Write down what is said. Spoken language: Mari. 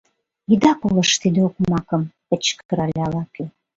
— Ида колышт тиде окмакым! — кычкырале ала-кӧ.